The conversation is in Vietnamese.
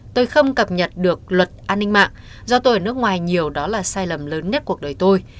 tôi không cập nhật được luật an ninh mạng do tôi ở nước ngoài nhiều đó là sai lầm lớn nhất cuộc đời tôi